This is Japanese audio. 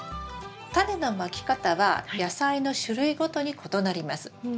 タネのまき方は野菜の種類ごとに異なります。